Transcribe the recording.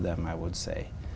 cho người việt